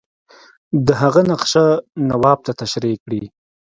د هغه نقشه نواب ته تشریح کړي.